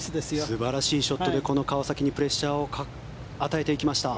素晴らしいショットでこの川崎にプレッシャーを与えていきました。